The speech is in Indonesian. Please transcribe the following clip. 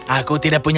aku sudah berhenti